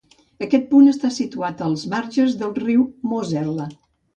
Aquest punt està situat als marges del riu Mosel·la.